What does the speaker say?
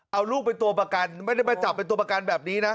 เอาลูกไปตัวประกันไม่ได้มาจับเป็นตัวประกันแบบนี้นะ